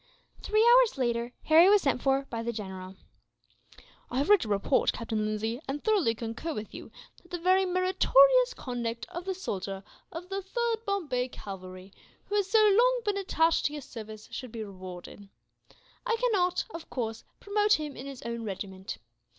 Three hours later, Harry was sent for by the general. "I have read your report, Captain Lindsay, and thoroughly concur with you that the very meritorious conduct of the soldier of the 3rd Bombay Cavalry, who has so long been attached to your service, should be rewarded. I cannot, of course, promote him in his own regiment.